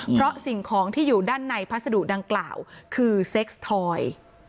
เพราะสิ่งของที่อยู่ด้านในพัสดุดังกล่าวคือเซ็กส์ทอย